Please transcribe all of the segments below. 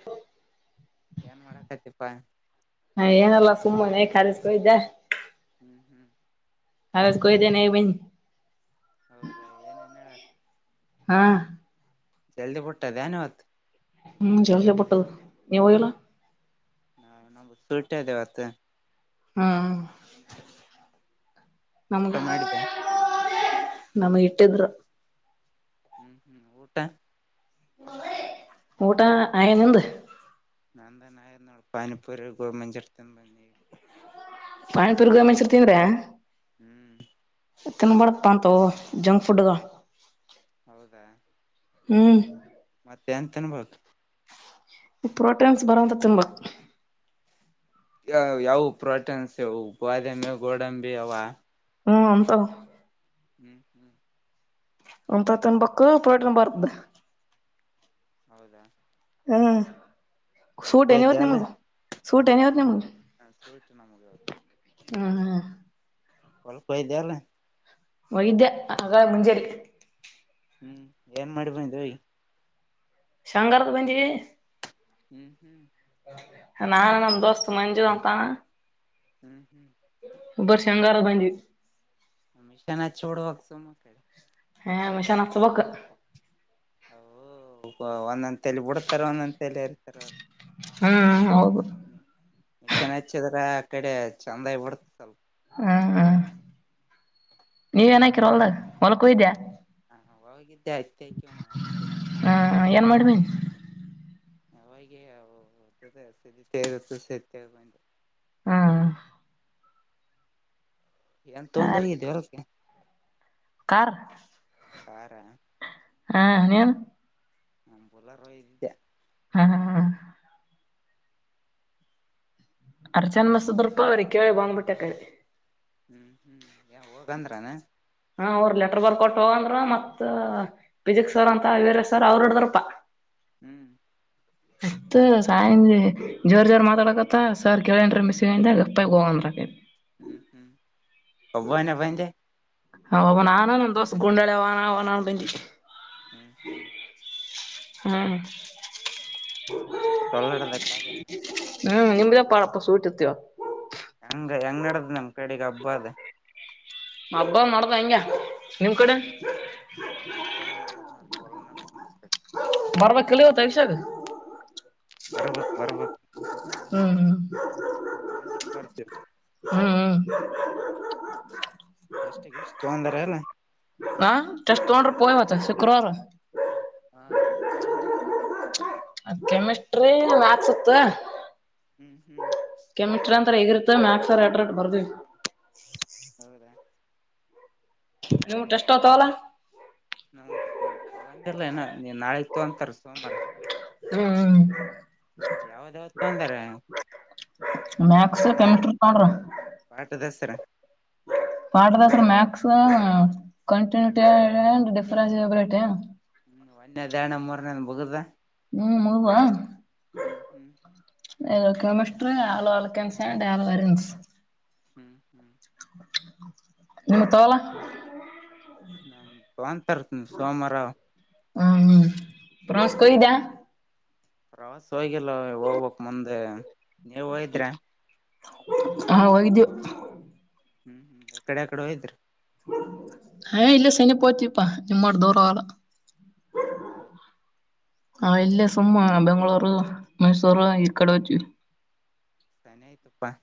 ಹ. ಏನ್ ಮಾಡಕ್ತಿಪಾ. ಹಾ ಏನೀಲ್ಲ ಸುಮ್ಮನೆ ಕಾಲೇಜಕ ಹೋಗಿದ್ಯಾ. ಹ್ಮ್ ಹ್ಮ್ ಕಾಲೇಜ್ ಗೆ ಹೋಗಿದ್ನ ಬಂದ್ನಿ ಹೌದಾ ಏನೇನ್ ಹೇಳಾರ ಹಾಂ ಜಲ್ದಿ ಬಿಟ್ಟದ್ ಯಾನ ಇವತ್ತು ಹ್ಮ ಜಲ್ದಿ ಬಿಟ್ಟದು ನೀ ಹೋಗಿಲ್ಲ ನಾನು ಸುಟ ಇದ್ದೇವತ್ತು [unintelligible] ಹ್ಮ ಊಟ ನಮಗೆ ಮಾಡಿದೆ ನಮ್ಗೆ ಇಟ್ಟಿದ್ರು ಹ್ಮ್ ಹ್ಮ್ ಊಟ ಊಟಾ ಆಗ್ಯದ ನಿಂದು ನಂದೇನ್ ಆಗ್ಯದ ನೋಡು ಪಾನಿಪೂರಿ ಗೋಬಿ ಮಂಚೂರಿ ತಿಂದ್ ಬಂದಿನಿ ಪಾನಿಪುರಿ ಗೋಬಿ ಮಂಚೂರಿ ತಿಂದ್ರ ಹ್ಮ್ ತಿನ್ಬೇಡ್ದ್ ಪಾ ಅಂತಾವ್ ಜಂಕ್ ಫುಡ್ ಅವ ಹೌದಾ ಹ್ಮ್ ಮತ್ತೆ ಏನ್ ತಿನ್ಬೇಕು ಪ್ರೋಟೀನ್ಸ್ ಬರೋ ಅಂತಾದ್ ತಿನ್ಬೇಕು ಯಾವ ಪ್ರೋಟೀನ್ಸ್ ಇವು ಬಾದಾಮಿ ಗೋಡಂಬಿ ಅವ ಹ್ಮ್ ಅಂತವ ಹ್ಮ್ ಹ್ಮ್ ಅಂತಾವ್ ತಿನ್ಬೇಕು ಪ್ರೊಟೀನ್ ಬರ್ತದ ಹೌದಾ ಹ್ಮ ಹೊಲ್ಕ್ ಸೂಟ್ ನ ಹೋಗಿದ್ಯಾ ಹೊತ್ತು ಅಲ್ಲ ಮುಗ ಸೂಟ್ ನ ಸೂಟಿ ನೋಡ ಹೊತ್ತು ಸೂಟಿ ನಮಗ [unintelligible] ಹಾ ಹಾ ಹೊಲಕ್ ಹೋಗಿದ್ದೆ ಅಲ್ಲ ಹೋಗಿದ್ದೆ ಆಗ್ಲೇ ಮುಂಜಾನೆ ಹ್ಮ್ ಏನ್ ಮಾಡಿ ಬಂದೆ ಹೋಗಿ ಶೇಂಗಾ ಹಾರ್ಡ್ ಬಂದಿವಿ ಹ್ಮ್ ಹ್ಮ್ ನಾನು ನಮ್ಮ ದೋಸ್ತು ಮಂಜು ಅಂತ ಅವ್ನ ಹ್ಮ್ ಹ್ಮ್ ಇಬ್ರು ಶೇಂಗಾ ಹಾರ್ಡ್ ಬಂದ್ವಿ ಮಷೀನ್ ಹಚ್ ಬಿಡ್ಬೇಕು ಸುಮ್ಕೆ ಹ ಮಷೀನ್ ಹಚ್ಬೇಕು ಹ ಒಂದಂತಲಿ ಬಿಡತಾರ ಒಂದಂದಲಿ ಇರ್ತಾರ ಅವರು ಹ್ಮ್ ಹೌದು ಹ್ಮ್ ಮಿಷನ್ ಹಚ್ಚಿದ್ರ ಆ ಕಡೆ ಚೆಂದ ಆಗಿ ಬಡ್ತದಲ್ ಹ್ಮ ಹ ನೀವೇನ ಹಾಕಿರ ಹೊಲ್ದಾಗ ಹೊಲುಕ್ ಹೋಗಿದ್ಯಾ ಹಾ ಹೋಗಿದ್ದೆ ಅಯತ್ತ ಆಯ ಕಣ ಅತ್ತೆ ಹಾ ಏನ್ ಮಾಡ್ ಬಂದೆ ಅವಾಗ ಸ ಬಂದು [unintelligible] ಹ್ಮ ಎಂತ ಒಂದು ಹೋಗಿದ್ ದೇವರಕ್ಕೆ ಕಾರು ಕಾರ ಹಾ ನೀನ್ ನನ್ ಬುಲ್ಲಾರೊ ಇದ್ದೆ ಹಾ ಹಾ ಹ ಅರ್ಚನ್ ಮಾಸಿದರ್ಪ ಅವರ್ ಕೇಳಿ ಬಂದ್ಬಿಟ್ಟೆ ಅತೆಗೆ. ಹ್ಮ್ ಹ್ಮ್ ಯ ಹೋಗಂದ್ರಾನಾ ಹಾ ಅವರು ಲೆಟರ್ ಬರ್ಕೊಟ್ಟ ಹೋಗಂದ್ರೂ ಮತ್ ಪಿಸಿಕ್ಸ್ ಸರ್ ಅಂತ ಅವರೇ ಸರ್ ಅವ್ರ ಹಿಡದ್ರಪ್ಪ. ಹ್ಮ್ ಮತ್ತ್ ಸಾಯಂದ್ ಜೋರ್ ಜೋರ್ ಮಾತಾಡಕ್ ತ್ತ ಸರ್ ಕೇಳ್ಯಾಂದ್ರೆ ಹ್ಮ್ ಮಿಸ್ಂದ್ ಲೇಪ್ಪಟಾಗ ಹೋಗ ಅಂದ್ರು ಹ್ಮ್ ಹ್ಮ್ ಒಬನೆ ಬಂದೆ ಹ ಒಬ್ಬ ನಾನ ಒಂದು ದೋಸ್ತ್ ಗುಂಡಾಳ ವಣ ಬಂದಿ. ಹ್ಮ್ ಹ್ಮ್ ಹಾ ಕನ್ನಡದ ಕಾಲಿ ಹ್ಮ್ ನಿಮ್ದಪ್ಪಾ ಅಪ್ಪ ಸೂಟತೀವ್ರ ಹೆಂಗ್ ಹೆಂಗ ನಡದ್ ನಮ್ ಕಡೆಗ್ ಹಬ್ಬ ಅದೆ. ಹಬ್ಬ ಮಾಡ್ದ್ ಹೆಂಗೆ ನಿಮ್ ಕಡೆ ನಮ್ಮ ಕಡೆ ನಡೆದನ್ನ ಅ ಕೊಲ್ ನಡೆದನ್ನ ನಮ್ಮ ಕಡೆ ಬರಬೇಕ್ ಇಲ್ಲಿ ತೈಷಾದ್ ಬರ್ಬಕ್ ಬರ್ಬಕ್ ಹ್ಮ್ ಹ್ಮ ಸಂಜಿಕ್ ಬರ್ತಿರ್ ಹ್ಮ್ ಹ್ಮ್ ಎಷ್ಟಿಗೆ ಎಷ್ಟು ತೊಂದರೆ ಅಲ್ಲ ಹಾ ಟೆಸ್ಟ್ ತಗೊಂಡ್ರೂ ಪೋನ್ ಹಚ್ಚ ಶುಕ್ರವಾರ ಹಾ ಯಾವ್ದತ್ ಅದ್ ಕೆಮಿಸ್ಟ್ರಿ ಮ್ಯಾಥ್ಸ್ ಇತ್ತ ಹ್ಮ್ ಹ್ಮ್ ಕೆಮಿಸ್ಟ್ರಿ ಅಂತರೆ ಹೆಗಿರುತ್ತೆ ಮ್ಯಾಕ್ಸ್ ಅರೆ ಎ್ರಟ್ ಬರ್ದಿನಿ. ಹೌದಾ ನೀವು ಟೆಸ್ಟ್ ಹತಾಲ್ಲಾ ನಾ ತೊಗೊಂಡಿಲ್ಲ ಇನ್ನ ನೀ ನಾಳೆ ತಗಂತಾರೆ ಸೋಮವಾರ ಹ್ಮ್ ಹೂ ಯಾವ್ದ್ ಯಾವ್ದ್ ತಂದರೆ ಮ್ಯಾಥ್ಸ್ ಮ್ಯಾಲ್ ಕೆಮಿಸ್ಟ್ರಿ ಪಾಠದ್ ಹೆಸರಾ ಹ [unintelligible] ಪಾಠದ ಹೆಸರು ಮ್ಯಾಕ್ಸ್ ಕಂಟಿನ್ಯೂಟಿ ಡಿಫರೆನಸ್ ಎಬಿಲಿಟಿ ಒನ್ಯದ್ ಯಣ್ಣ ಮೂರನೇಂದ್ ಬೂಗರ್ದ ಹ್ಮ್ ಮೂಗ ಹ್ಮ್ ಇದು ಕೆಮಿಸ್ಟ್ರಿ ಆಳೊ ಅಲಕೇನಸ್ ಅಂಡ್ ಆಳೊ ಅರೇನಸ್ ಹ್ಮ್ ಹ್ಮ್ ನಿನ್ ತಾಗೊಳೊ ನನ್ ಬಂತಂತರ್ ಸೋಮವಾರ ಹ್ಮ್ ಹ್ಮ್ ಪ್ರಸ್ ಕೊಯ್ದಾ ಪ್ರವಾಸ ಹೋಗಿಲ್ಲ ಹೋಗ್ಬೇಕ್ ಮುಂದೆ ನೀವು ಹೋಗಿದ್ರ ಹಾ ಹೋಗಿದ್ದೆ ಹ್ಮ್ ಹ್ಮ್ ಯಾಕೆಡೆ ಯಕಡೆ ಹೋಗಿದ್ರಿ ಹಾ ಇಲ್ಲೆ ಸಮೀಪ ಹೋಗಿದ್ವಿ ಪಾ ನಿಮ್ಮ ಅಷ್ಟ್ ದೂರ ಹೋಗಲ್ಲ ಹೌದು ನಾವ್ ಇಲ್ಲೇ ಸುಮ್ಮ ಬೆಂಗ್ಳೂರು ಮೈಸೂರು ಈ ಕಡೆ ಹೊಯ್ತುವಿ ತಾನಯತುಪ್ಪಾ [unintelligible]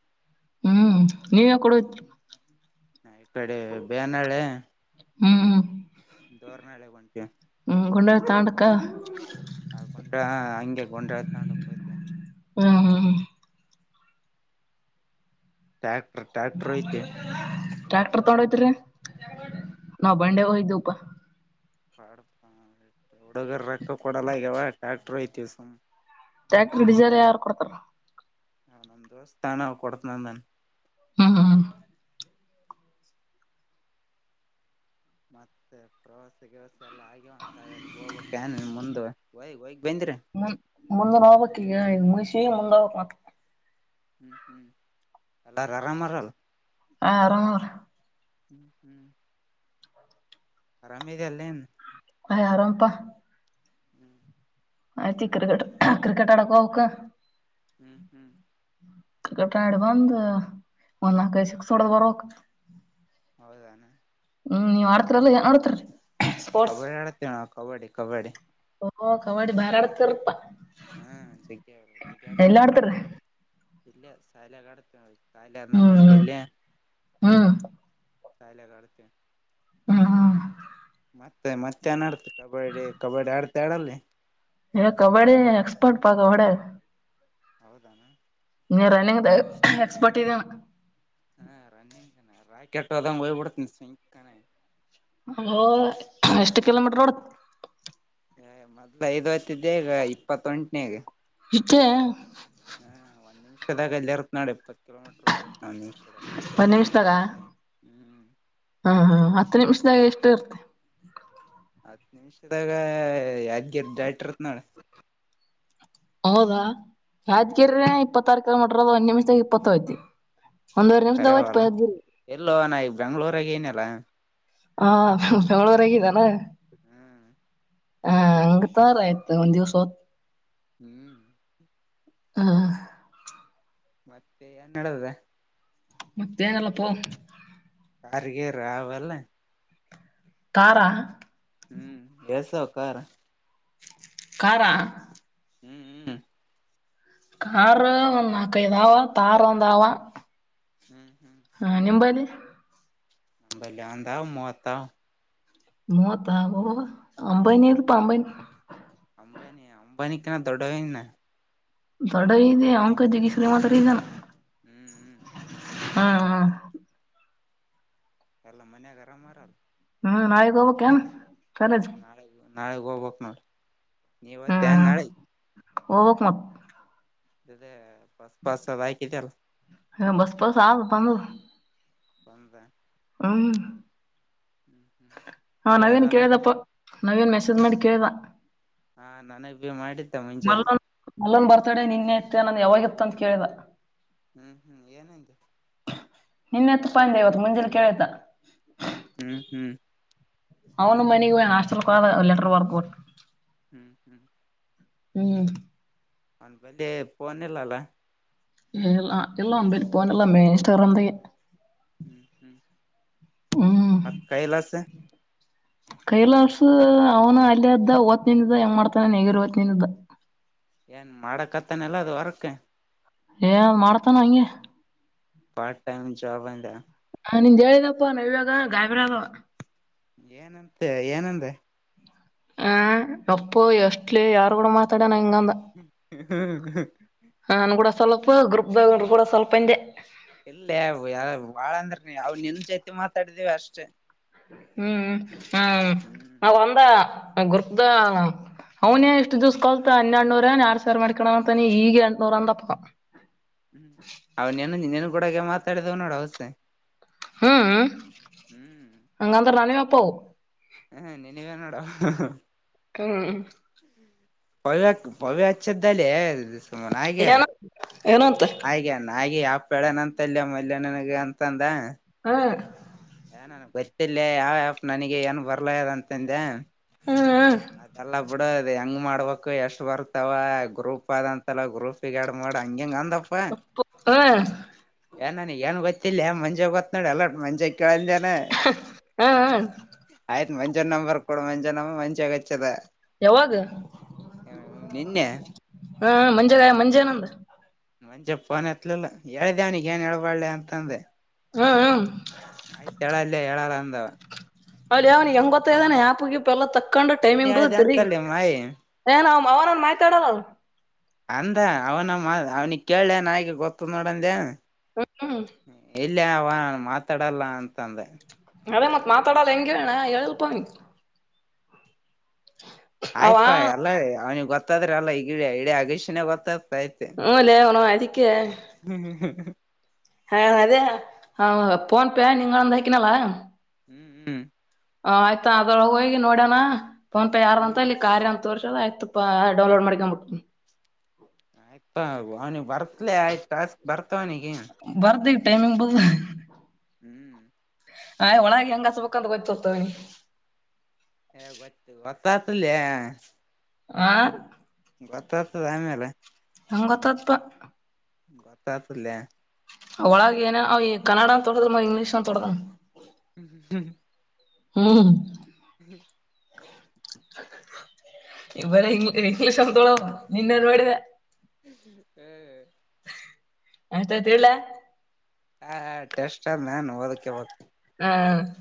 ಹ್ಮ್ ನೀವ ಯಾವ ಕಡೆ ಹೋದ್ರಿ ಹ ಇ ಕಡೆ ಬ್ಯಾನಳ್ಳಿ ಹ್ಮ್ ಹ್ಮ ಡೂರ್ನಳ್ಳಿಗ್ ಹೊಂಟಿವಿ ಹ್ಞ ಗುಂಡ ತಟಕ ನಾ ಗೊಂಡ್ರ ಹಂಗೆ ಗೊಂಡ್ರಾ ಹೊಂಡಕ್ ಹೋಗ್ತವಿ ಹ್ಮ್ ಹ್ಮ್ ಹ್ಮ್ ಟ್ಯಾಕ್ಟರ್ ಟ್ಯಾಕ್ಟರ್ ಐತಿ ಟ್ರ್ಯಾಕ್ಟರ್ ತಗೊಂಡೋಯ್ತ್ರಿೀ ಹ್ಮ್ ನಾವ್ ಬಂಡೆ ಹಯ್ದವಪಾ ಪಡ್ತ ಹಡಗರ ರೊಕ್ಕ ಕೊಡಲಗವಾ ಟ್ಯಾಕ್ಟರ್ ಹೊಯ್ತುವಿ ಸುಮ್ನೆ ಟ್ಯಾಕ್ಟ್ರ ಡಿಸಲ್ ಯಾರು ಕೊಡ್ತರ ನಮ್ ದೋಸ್ತ್ ಅವ್ನ ಅವ್ನ್ ಕೊಡ್ತಿನಿ ಅಂದವನೇ ಹ್ಮ ಹ ಮತ್ತೆ ಪ್ರವಾಸ ಗಿವಸ ಎಲ್ಲ ಆಗಿಂಗಾದ್ರೆ ಹೋಗ ಕ್ಯಾನಿನ್ ಮುಂದು ಹೊಯ್ ಹೋಗ್ ಬಂದ್ರಾ ಹ್ಮ ಮುಂದ ಹೋಗ್ಬೇಕ್ ಈಗ ಈಗ ಮುಗಸಿ ಮುಂದ್ ಹೋಗಬೇಕ್ ಮತ್ತ ಹ್ಮ್ ಹ್ಮ್ ಎಲ್ಲಾರ ಆರಾಮಾರಲ್ ಹ್ಮ್ ಆರಾಮ್ ಅದರ ಹ್ಮ್ ಹ್ಮ್ ಆರಾಮೇದ ಅಲ್ಲೇನ್ ಆಯ್ ಆರಾಮಪ್ಪಾ [inaudible] ಆಯತಿ ಇಗ್ ಕ್ರಟ್ ಕ್ರಿಕಟ್ ಅಡಕ್ಕ ಹೋಗ್ಬೇಕ್ ಹ್ಮ್ ಹ್ಮ್ ಕ್ರಿಕೆಟ್ ಆಡಿ ಬಂದ ಒಂದ ನಾಕ್ ಐದ್ ಸಿಕ್ಸ್ ಹೊಡ್ದ ಬರ್ಬೇಕು ಹೌದಾನ ಹ್ಮ್ ನೀವ ಆಡ್ತರಲ್ಲ ಏನ್ ಆಡ್ತರಿ ಕಬಡ್ಡಿ ಆಡತಿವ್ ನಾವ್ ಕಬಡ್ಡಿ ಕಬಡ್ಡಿ ಓ ಕಬಡ್ಡಿ ಬಾರಿ ಆಡ್ತಿರಪ್ಪಾ ಹಾ ಚ ಇ ಅಡತನೋ ಆಡ್ತಿರಿ ಇಲ್ಲ ಸ್ಥಾಲ ಅಡತ [unintelligible] ತಾಲ ಇಂದ ಹ್ಮ್ ಮನಿಪಲ್ಲ ಹ್ಮ್ ತಾಲ ಕಡತ [unintelligible] ಹಾ ಮತ್ತೆ ಮತ್ತೆ ಏನ್ ಆಡ್ತ ಕಬಡ್ಡಿ ಕಬಡ್ಡಿ ಆಡ್ತ ಆಡಲ್ಲಿ ಎ ಕಬಡ್ಡಿ ಎಕ್ಸ್ಪರ್ಟ್ ಪಾ ಕಬಡ್ಡಿ ಹೌದನ ನೀ ರನ್ನಿಂಗ್ ದಾಗ ಎಕ್ಸ್ಪರ್ಟ್ ಇದ್ದೆ ಅಣ್ಣ ಹಾ ರನ್ನಿಂಗ್ ನಾ ರಾಕೆಟ್ ಹೋದಂಗ ಹೋಗ್ ಬಿಡ್ತನ ಸ್ವಿಂಕ್ ಅನ್ನಂಗ ಹೋ ಎಷ್ಟು ಕಿಲೋಮೀಟರ್ ನೋಡ ಮೊದ್ಲು ಐದು ಹತ್ ಇದ್ದೆ ಈಗ ಇಪ್ಪತ್ತೊಂಟನೇಗೆ ಇಟ್ಟೆ. ಹು ಒಂದ ನಿಮಿಷದಾಗ ಅಲ್ಲಿ ಇರುತ್ತ ನೋಡ ಇಪ್ಪ ಕಿಲೋಮೀಟರ್ ಹೋಗಿರುತ್ತನಿ. ಒನ್ ನಿಮಿಷದಾಗಾ ಹ್ಮ್ ಹಾ ಹಾ ಹತ್ತು ನಿಮಿಷದಾಗ ಎಷ್ಟು ಇರ್ತಿ. ಹತ್ತು ನಿಮಿಷದಾಗ ಯಾದ್ಗಿರ್ ದಾಟಿರ್ತ್ನಾಳ. ಹೌದಾ ಯಾದ್ಗಿರಿ ಹ್ಮ್ ಇಪ್ಪತ್ತಾರು ಕಿಲೋಮಿಟ್ರ ಅದ ಒಂದ ನಿಮಿಷದಾಗ ಇಪ್ಪತ್ತೈತಿ. ಒಂದುವರೆ ನಿಮಿಷದಾಗ ಹೊಯ್ತ ಪಾಯದಿಲ್ ಇಲ್ಲೋ ನಾ ಈಗ ಬೆಂಗ್ಳೂರಾಗ ಏನಲ್ಲ. ಹಾ ಬೆಂಗಳೂರಾಗ ಇದೇನ. ಹು ಹ ಹಂಗಇತ್ತಂದ್ರ ಆಯ್ತತೊ ಒಂದ ದಿವ್ಸ ಹೋತ್ ಹು ಹಾ ಮತ್ತೆ ಏನ್ ನಡದದ ಮತ್ತೇ ಏನಿಲ್ಲಪ್ಪಾ ಹಾರ್ಗಿರಾ ಹೊಲಾ ಕಾರಾ ಹು ಎಸ್ ಅದಾವ ಕಾರು ಕಾರ ಆ ಹು ಕಾರ ಒಂದ ನಾಕ ಐದಾವ ತಾರ್ ಒಂದಾವಾ. ಹು ಹು ಹಾ ನಿಮ್ಮಂಬಲ್ಲಿ ನಂಬಲ್ಲಿ ಒಂದ ಮೂವತ್ತಾವ. ಮೂವತ್ತ ಅಬಬಬಾ ಹ್ಮ್ ಅಂಬೈನದಪ ಅಂಬೈನದ ಅಂಬಾನಿ ಅಂಬಾನಿ ಕಾರ ದೊಡ್ಡವ ಇನ್ನ ದೊಡ್ಡ ಇದೆ ಅವಂಕಿಂತ ನಿ ಶ್ರೀಮಂತ ಅದಿ ಏನ ಹು ಹು ಹು ಹು ಎಲ್ಲಾ ಮನ್ಯಾಗರಾಮ ಮಾರಲ್ಲ. ಹು ನಾಳಿಗ ಹೋಗಬೇಕು ಏನ. ಹು ನಾಳೆಗೆ ನಾಳೆಗೆ ಹೋಗ್ಬೇಕ ನೋಡ ನೀ ಹೊಯತ್ತಿಯಾ ನಾಳೆಗ ಹೋಗಬೇಕ್ ಮತ್ತ ಇದೆ ಬಸ್ಸ ಪಾಸ್ ಅದ ಆಯ್ಕಿದೆ ಅಲ್ಲ ಹಾ ಬಸ್ಸ್ ಪಾಸ್ ಆದ ಬಂದಾವು ಬಂತಾ ಹು ಹ್ಮ್ ಹಾ ಫ್ರೀ ನವೀನ್ ಅದಲ್ಲ ಕೇಳಿದಪ್ಪ. ನವೀನ್ ಮೆಸೇಜ್ ಮಾಡಿ ಕೇಳಿದಾ ಹಾ ನನಗೆ ಮಾಡಿದ್ದಾ ಮುಂಜೆಲ್ಲಿ ಮಲ್ಲುನ ಬರ್ತಡೆ ನಿನ್ನೆ ಇತ್ತನ ಯಾವಾಗಿತ್ತು ಅಂತ ಕೇಳಿದಾ ಹು ಹು ಏನಂದಿ ನಿನ್ನೆ ಇತ್ತಪ್ಪ ಅಂದೆ ಇವತ್ತು ಮುಂಜೆಲಿ ಕೇಳಿದಾ. ಹು ಹು ಅವನು ಮನಗೊಗ್ಯಾನ ಹಾಸ್ಟೆಲ್ ಲೆಟರಬರ್ದಕೊಟ್ಟ. ಹು ಹು ಹು ಅವ್ನ್ ಬಂದೀ ಪೋನ್ ಇಲ್ಲ ಅಲ. ಎಲ್ಲ ಎಲ್ಲಾ [unintelligible] ಇನ್ಸ್ಟಾಗ್ರಾಮ್ದಗೆ. ಹ್ಮ್ ಹ್ಮ್ ಹ್ಞೂ ಮತ್ ಕೈಲಾಸ್. ಕೈಲಾಸ್ ಅವ್ನ ಅಲ್ಲೆ ಅದ್ದ [unintelligible] ಹೆಂಗ್ ಮಾಡ್ತಾನೆ [unintelligible] ಏನ್ ಮಾಡಕತ್ತನಲ್ಲ ಅದು ವರ್ಕ್. ಏ ಮಾಡ್ತಾನ ಹಂಗೆ. ಪಾರ್ಟ್ ಟೈಮ ಜಾಬ್ ಅಂದ. ಹ ನಿಂದ್ ಹೇಳ್ದಪ್ಪ ನವ್ಯಾಗ ಗಾಬ್ರಿಯಾದೊ. ಏನಂತೆ ಏನಂದೆ. ಹಾಂ ಅಪ್ಪು ಎಷ್ಟಲೇ ಯಾರ್ ಗುಡ ಮಾತಾಡನ ಹಿಂಗ ಅಂದ. [unintelligible] ಆನ್ ಗುಡ ಸ್ವಲ್ಪ ಗ್ರೂಪ್ದಾಗ್ ಗುಡ ಸ್ವಲ್ಪ ಅಂದೆ. ಇಲ್ಲೇ ಯಾ ಬಾಳ್ ಅಂದರ್ ನಿ ಅವ್ಳ್ ನಿನ್ ಜೊತ್ ಮಾತಾಡಿದ್ವಿ ಅಷ್ಟೇ. ಹ್ಮ್ ಹ್ಮ್ ಹ್ಮ್ ಹ್ಮ್ ಅ ಒಂದಾ ಗುರ್ತ ಅವನೇ ಇಷ್ಟು ದಿವ್ಸ್ ಕಲ್ತ್ [unintelligible] ನೂರು ಆರ್ಸಾವ್ರ್ ಮಾಡ್ಕಣವಂತ ನೀ ಹೀಗ್ ಎಂಟ್ನೂರು ಅಂದಪ್ಪ. ಹ್ಮ್ ಅವ್ನೆನ್ ನಿನ್ನೇನ್ಗುಡಗೆ ಮಾತಾಡಿದಿವ್ ನೋಡು ಅವ್ಸೆ. ಹ್ಮ್ ಹ್ಮ್. ಹ್ಮ್. ಹಂಗಂಧರ್ ನಾನೇನ್ ಅಪ್ಪೋ. ಹೇ ನಿನಿಗೆ ನೋಡು. ಹ್ಮ್. ಪವೇಕ್ ಪವೇಚ್ಚದ್ದಲೇ ನಾಯ್ಗೆ. ಏನ ಏನಂತ ನಾಯ್ಗೆ ನಾಯ್ಗೆ ಯಾಪ್ಳನ ಅಂತಲ್ಲಿಯ ಮಲ್ಯನನಗೆ ಅಂತಂದ. ಹಾಂ. ಏನ್ ಅಣ್ಣ ಬರ್ತಿಲ್ಲೆ ಯಾವ್ ಆಪ್ ನನಿಗೆ ಏನ್ ಬರ್ಲೆ ಇಲ್ಲ ಅಂತಂದ. ಹ್ಮ್ ಹ್ಮ್. ಅದೆಲ್ಲ ಬುಡು ಅದ್ ಹೆಂಗ್ ಮಾಡ್ಬಕ್ ಎಷ್ಟ್ ಬರ್ತಾವ ಗ್ರೂಪ್ ಅದ ತಲ ಗ್ರೂಪಿಗ್ ಆಡ್ ಮಾಡ ಹಂಗಿಂಗ್ ಅಂದಪ್ಪ. ಹ್ಮ ಏನ್ ನನಿಗೆ ಏನು ಗೊತ್ತಿಲ್ಲ ಮಂಜುಗ್ ಗೊತ್ ನೋಡು ಎಲ್ಲ ಮಂಜಗ್ ಕೇಳ್ ಅಂದನಾ. ಹ್ಮ್ ಆಯ್ತ್ ಮಂಜನ್ ನಂಬರ್ ಕೊಡು ಮಂಜ ನಾವು ವಂಜವೆಚ್ಚದ. ಯವಾಗ್ ನಿನ್ನೆ ಹಾಂ ಮಂಜಗಾಯ ಮಂಜೇನಂದ. ಮಂಜ ಫೋನ್ ಎತ್ಲಿಲ್ಲಾ ಹೇಳ್ದೇವನಿಗ್ ಏನ್ ಹೇಳ್ಬಳ್ಳೆ ಅಂತಂದೆ. ಹಾಂ ಹಾಂ. ಆಯ್ತ್ ಹೇಳಲ್ಲಿ ಹೇಳಲ್ಲ ಅಂದು. ಅಲ್ಯೆ ಅವ್ನಿಗ್ ಹೆಂಗ್ ಗೊತ್ ಇದ್ದಾನೆ ಆಪ್ ಗಿಪ್ ಎಲ್ಲ ತಕ್ಕಂಡ್ ನೀನ್ ಟೈಮಿಂಗ್ ಹೇಳ್ದ ಬತ್ ಇರಿ. ಅಂತಲ್ಲಿ ಮಾಯಿ ಏನ್ ಅಮ್ ಅವನೇನ್ ಮಾತಾಡೋನು. ಅಂದ ಅವ್ನ ಮಾ ಅವ್ನಿಗ್ ಕೇಳೆ ನಾಯ್ಗೆ ಗೊತ್ತು ನೋಡೆಂದ್ಯಾನ. ಹ್ಮ್ ಹ್ಮ್. ಎಲ್ಲಿ ಅವ ಮಾತಾಡಲ್ಲ ಅಂತಂದೆ. ಅದೆ ಮತ್ ಮಾತಾಡಲ್ಲ ಹೆಂಗೆ ಅಣ್ಣ ಹೆಲ್ಪನಿ. [inaudible] ಆಯ್ತ್ ಪಾ ಎಲ್ಲ ಅವ್ನಿಗ್ ಗೊತ್ತಾದ್ರಲ್ಲ ಈಗಿ ಇಡಿ ಆಗಷಿನ್ ಗೊತ್ತಾತೈತಿ. ಹ್ಮ್ ಲೇ ಅವ್ನವ್ ಅದಿಕ್ಕೆ. [unintelligible] ಹಾ ಅದೇ ಆ ಪೋನ್ಪೇ ನಿಂಗೊಂದ್ ಅಕಿನಲ್ಲಾ. ಹ್ಮ್ ಹ್ಮ್ ಹ ಆಯ್ತಾ ಅದ್ರಳ ಹೋಗಿ ನೋಡೋಣ ಫೋನ್ ಪೇ ಯಾರ ಹ್ಮ್ ಅಂತ ಇಲ್ಲಿ ಕಾರ್ಯ ಅಂತ ತೋರ್ಸು ಪಾ ಆಯ್ತಪ್ಪ ಡೌನ್ಲೊಡ್ ಮಾಡಕೊಂದ್ಬಿಡ್ತಿನಿ ಆಯ್ತಾ ಅವನಿಗೆ ಬರ್ತ್ಲ ಆಯ್ತು ಟಾಸ್ಕ್ ಬರ್ತವನಿಗೆ ಬರ್ದ ಟೈಮಿಂಗ್ ಬದ ಹ್ಮ್ ಆಯ್ ಒಳಗೆ ಹೆಂಗಸ್ಬೇಕಂತ ಗೊತ್ತೊರ್ತವನಿ ಹೇ ಗೊತ್ತು ಗೊತ್ತಾ ಆಯ್ತಾದ್ ಲೇ ಹಾ ಗೊತ್ತಾಗ್ತದ ಆಮೇಲೆ ಹೆಂಗ್ ಗೊತ್ತತಪ ಗೊತ್ತಾಯ್ತಾದ ಬಿಡಲೇ ಅವ ಒಳಗೆ ಏನ ಅವ ಈ ಕನ್ನಡ ಅಂತ ಹೋಡ್ದ ಮ ಇಂಗ್ಲೀಷ್ನತ ಹೋಡ್ದಮಾ [unintelligible] ಹ್ಮಹ್ಮ್ ಹ್ಮ್ [unintelligible] ಬರಿ ಇಂಗ್ ಇಂಗ್ಲೀಷ್ ಅಂತ ಹೇಳೋಣ ನಿನ್ನ ನೋಡಿದ ಅಷ್ಟ ತಿಳ್ಳ ಹ ಟೆಸ್ಟ್ ಅದ್ ನಾನ್ ಅದಕ್ಕೆ ಹೋಗಿಲ್ಲ ಹ್ಮ